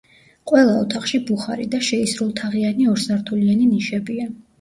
ყველა ოთახში ბუხარი და შეისრულთაღიანი ორსართულიანი ნიშებია.